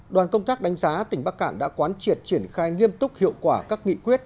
đoàn công tác đánh giá tỉnh bắc cạn đã quán triệt triển khai nghiêm túc hiệu quả các nghị quyết